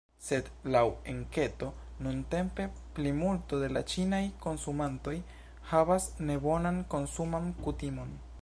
Sed, laŭ enketo, nuntempe plimulto de la ĉinaj konsumantoj havas nebonan konsuman kutimon.